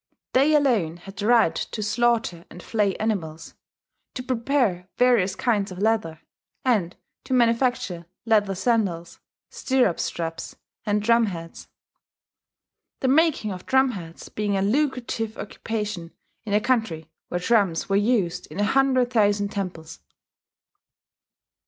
They alone had the right to slaughter and flay animals, to prepare various kinds of leather, and to manufacture leather sandals, stirrup straps, and drumheads, the making of drumheads being a lucrative occupation in a country where drums were used in a hundred thousand temples.